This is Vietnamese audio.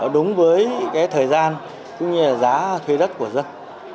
đúng với thời gian cũng như giá thuê đất của dân